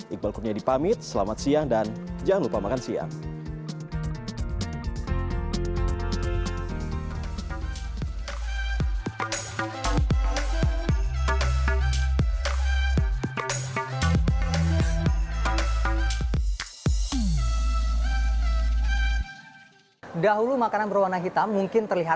iqbal kurnia dipamit selamat siang dan jangan lupa makan siang